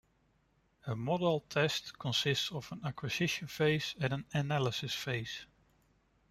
A modal test consists of an acquisition phase and an analysis phase.